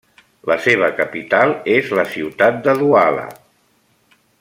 La seva capital és la ciutat de Douala.